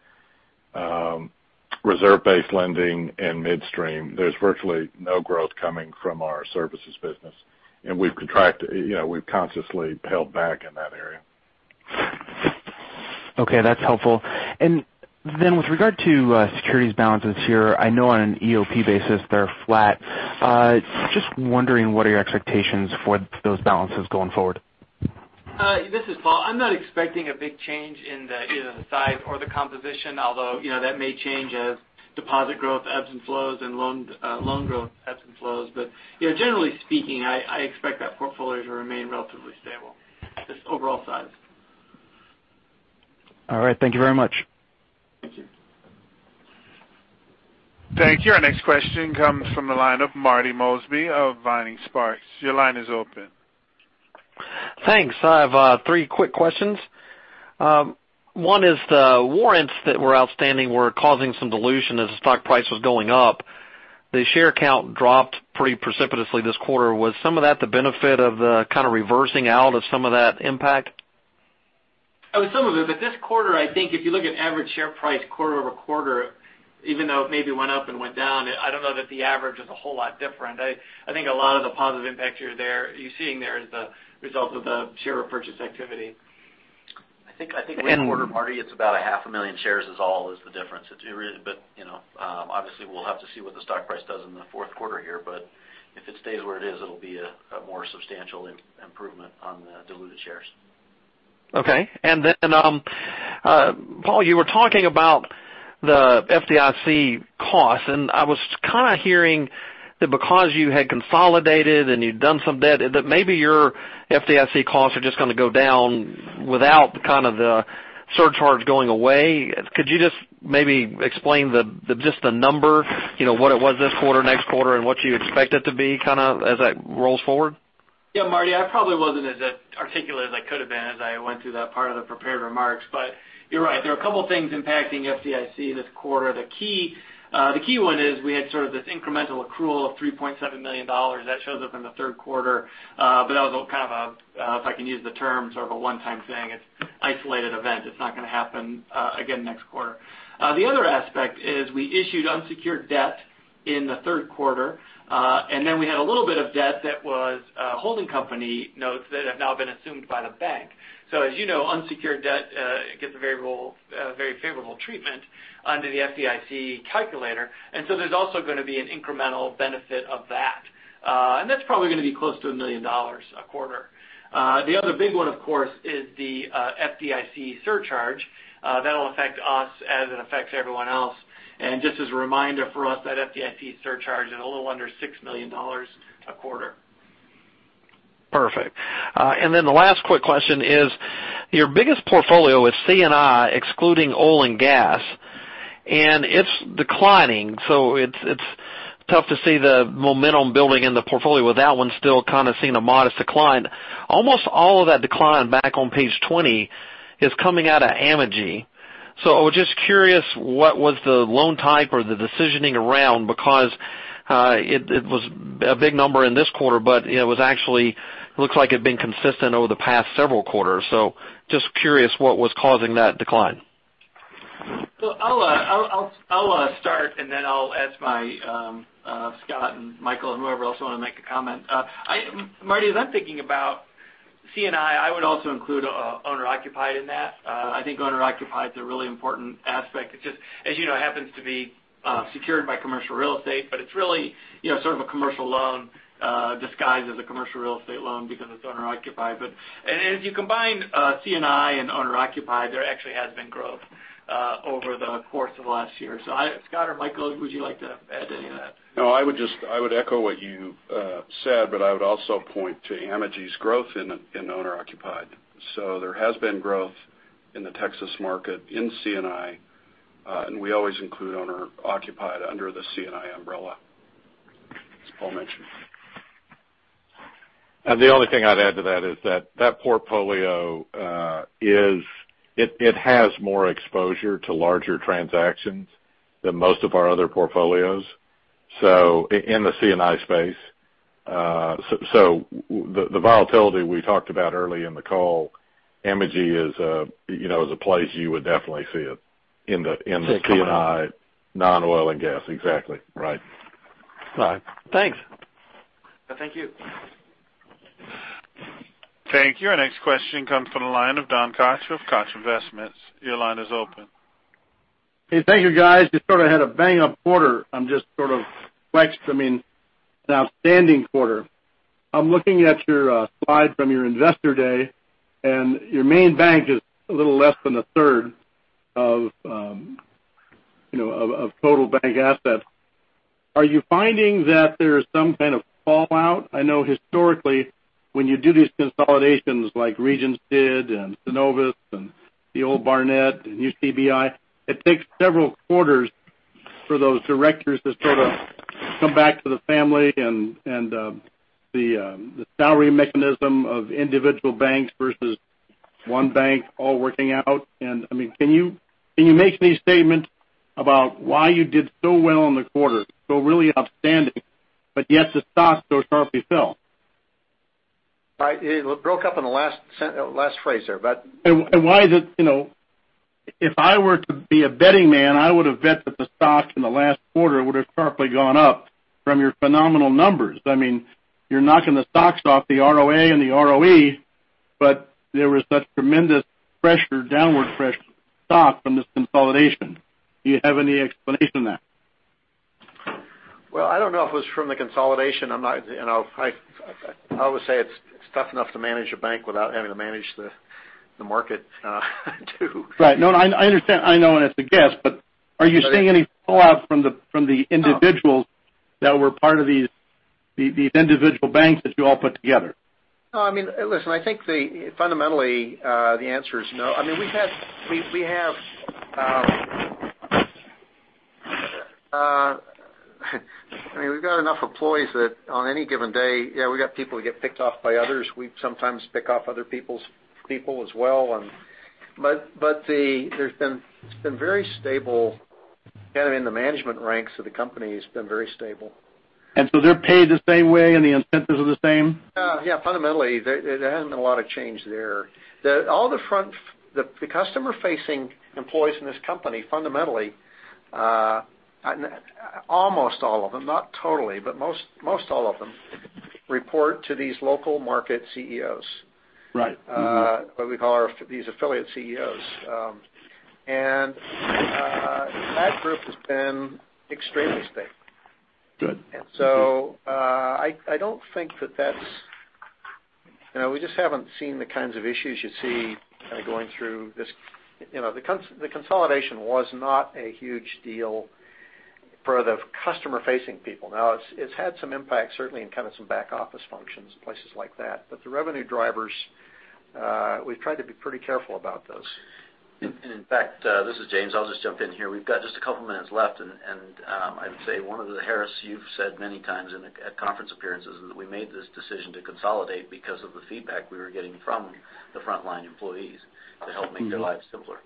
reserve-based lending and midstream. There's virtually no growth coming from our services business, and we've consciously held back in that area. Okay, that's helpful. With regard to securities balances here, I know on an EOP basis, they're flat. Just wondering, what are your expectations for those balances going forward? This is Paul. I'm not expecting a big change in either the size or the composition, although that may change as deposit growth ebbs and flows and loan growth ebbs and flows. Generally speaking, I expect that portfolio to remain relatively stable, just overall size. All right. Thank you very much. Thank you. Thank you. Our next question comes from the line of Marty Mosby of Vining Sparks. Your line is open. Thanks. I have three quick questions. One is the warrants that were outstanding were causing some dilution as the stock price was going up. The share count dropped pretty precipitously this quarter. Was some of that the benefit of the kind of reversing out of some of that impact? It was some of it. This quarter, I think if you look at average share price quarter-over-quarter, even though it maybe went up and went down, I don't know that the average is a whole lot different. I think a lot of the positive impact you're seeing there is the result of the share repurchase activity. I think last quarter, Marty, it's about a half a million shares is all is the difference. Obviously we'll have to see what the stock price does in the fourth quarter here, but if it stays where it is, it'll be a more substantial improvement on the diluted shares. Okay. Paul, you were talking about the FDIC costs, and I was kind of hearing that because you had consolidated and you'd done some debt, that maybe your FDIC costs are just going to go down without kind of the surcharges going away. Could you just maybe explain just the number, what it was this quarter, next quarter, and what you expect it to be kind of as that rolls forward? Yeah, Marty, I probably wasn't as articulate as I could have been as I went through that part of the prepared remarks. You're right, there are a couple things impacting FDIC this quarter. The key one is we had sort of this incremental accrual of $3.7 million. That shows up in the third quarter. That was kind of a, if I can use the term, sort of a one-time thing. It's isolated event. It's not going to happen again next quarter. The other aspect is we issued unsecured debt in the third quarter. We had a little bit of debt that was holding company notes that have now been assumed by the bank. As you know, unsecured debt gets a very favorable treatment under the FDIC calculator. There's also going to be an incremental benefit of that. That's probably going to be close to $1 million a quarter. The other big one, of course, is the FDIC surcharge. That'll affect us as it affects everyone else. Just as a reminder for us, that FDIC surcharge is a little under $6 million a quarter. Perfect. The last quick question is, your biggest portfolio is C&I, excluding oil and gas, and it's declining. It's tough to see the momentum building in the portfolio with that one still kind of seeing a modest decline. Almost all of that decline back on page 20 is coming out of Amegy. I was just curious what was the loan type or the decisioning around because it was a big number in this quarter, but it looks like it had been consistent over the past several quarters. Just curious what was causing that decline. I'll start, and then I'll ask Scott and Michael and whoever else want to make a comment. Marty, as I'm thinking about C&I would also include owner-occupied in that. I think owner-occupied is a really important aspect. It just, as you know, happens to be secured by commercial real estate, but it's really sort of a commercial loan disguised as a commercial real estate loan because it's owner-occupied. As you combine C&I and owner-occupied, there actually has been growth over the course of last year. Scott or Michael, would you like to add any of that? No, I would echo what you said, but I would also point to Amegy's growth in owner-occupied. There has been growth in the Texas market in C&I, and we always include owner-occupied under the C&I umbrella, as Paul mentioned. The only thing I'd add to that is that that portfolio, it has more exposure to larger transactions than most of our other portfolios. In the C&I space, the volatility we talked about early in the call, Amegy is a place you would definitely see it in the C&I non-oil and gas. Exactly. Right. All right. Thanks. Thank you. Thank you. Our next question comes from the line of Don Koch of Koch Investments. Your line is open. Hey, thank you guys. You sort of had a bang-up quarter. I'm just sort of flexed. I mean, an outstanding quarter. I'm looking at your slide from your investor day, and your main bank is a little less than a third of total bank assets. Are you finding that there's some kind of fallout? I know historically, when you do these consolidations like Regions did and Synovus and the old Barnett and UCBI, it takes several quarters for those directors to sort of come back to the family and the salary mechanism of individual banks versus one bank all working out. Can you make any statement about why you did so well in the quarter, so really outstanding, but yet the stock so sharply fell? It broke up in the last phrase there. Why is it, if I were to be a betting man, I would've bet that the stock in the last quarter would've sharply gone up from your phenomenal numbers. You're knocking the socks off the ROA and the ROE, but there was such tremendous pressure, downward pressure, stock from this consolidation. Do you have any explanation of that? Well, I don't know if it was from the consolidation. I would say it's tough enough to manage a bank without having to manage the market too. Right. No, I understand. I know, and it's a guess, but are you seeing any fallout from the individuals that were part of these individual banks that you all put together? Listen, I think fundamentally, the answer is no. We've got enough employees that on any given day, yeah, we got people who get picked off by others. We sometimes pick off other people as well, but it's been very stable kind of in the management ranks of the company. It's been very stable. They're paid the same way and the incentives are the same? Yeah. Fundamentally, there hasn't been a lot of change there. The customer-facing employees in this company, fundamentally, almost all of them, not totally, but most all of them report to these local market CEOs. Right. Mm-hmm. What we call these affiliate CEOs. That group has been extremely stable. Good. We just haven't seen the kinds of issues you see kind of going through this. The consolidation was not a huge deal for the customer-facing people. Now, it's had some impact certainly in kind of some back office functions and places like that. The revenue drivers, we've tried to be pretty careful about those. In fact, this is James. I'll just jump in here. We've got just a couple minutes left, and I'd say one of the, Harris, you've said many times at conference appearances, is that we made this decision to consolidate because of the feedback we were getting from the frontline employees to help make their lives simpler.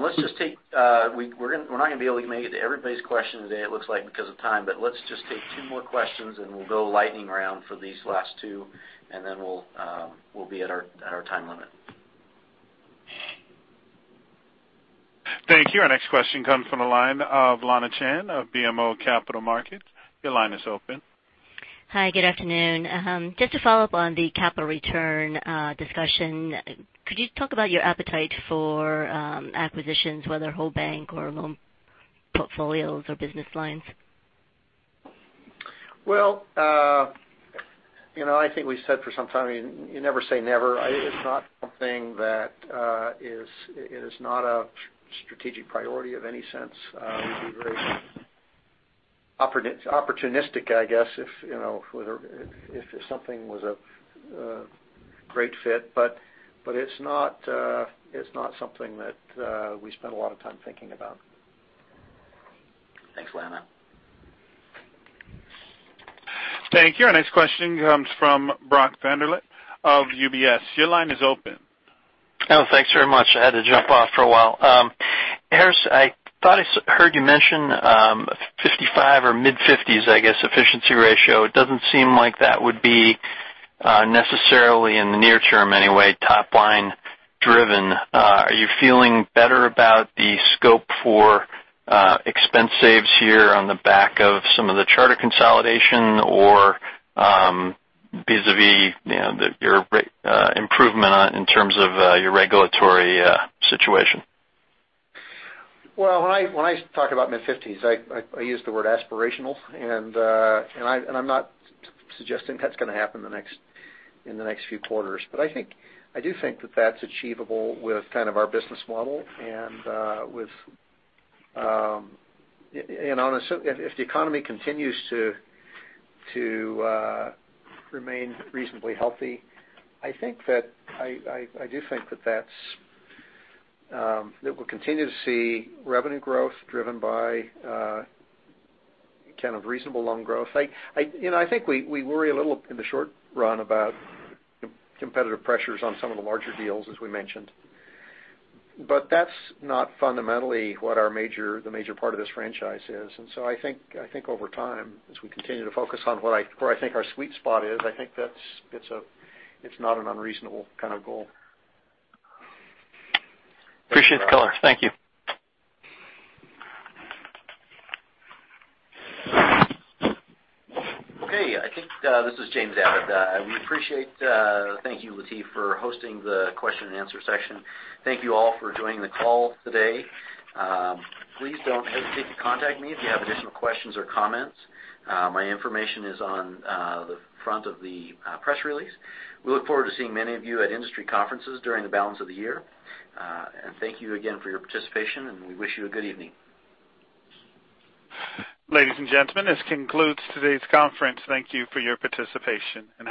We're not going to be able to make it to everybody's question today it looks like because of time, let's just take two more questions, and we'll go lightning round for these last two, and then we'll be at our time limit. Thank you. Our next question comes from the line of Lana Chan of BMO Capital Markets. Your line is open. Hi, good afternoon. Just to follow up on the capital return discussion, could you talk about your appetite for acquisitions, whether whole bank or loan portfolios or business lines? Well, I think we said for some time, you never say never. It's not something that is not a strategic priority of any sense. We'd be very opportunistic, I guess, if something was a great fit. It's not something that we spend a lot of time thinking about. Thanks, Lana. Thank you. Our next question comes from Brock Vandervliet of UBS. Your line is open. Oh, thanks very much. I had to jump off for a while. Harris, I thought I heard you mention 55 or mid-fifties, I guess, efficiency ratio. It doesn't seem like that would be necessarily, in the near term anyway, top line driven. Are you feeling better about the scope for expense saves here on the back of some of the charter consolidation or vis-a-vis your improvement in terms of your regulatory situation? Well, when I talk about mid-fifties, I use the word aspirational. I'm not suggesting that's going to happen in the next few quarters. I do think that that's achievable with kind of our business model if the economy continues to remain reasonably healthy. I do think that we'll continue to see revenue growth driven by kind of reasonable loan growth. I think we worry a little in the short run about competitive pressures on some of the larger deals, as we mentioned. That's not fundamentally what the major part of this franchise is. I think over time, as we continue to focus on where I think our sweet spot is, I think it's not an unreasonable kind of goal. Appreciate the color. Thank you. This is James Abbott. We appreciate, thank you, Latife, for hosting the question and answer session. Thank you all for joining the call today. Please don't hesitate to contact me if you have additional questions or comments. My information is on the front of the press release. We look forward to seeing many of you at industry conferences during the balance of the year. Thank you again for your participation. We wish you a good evening. Ladies and gentlemen, this concludes today's conference. Thank you for your participation.